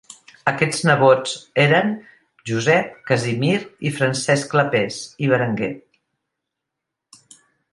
Aquests nebots eren Josep, Casimir i Francesc Clapers i Berenguer.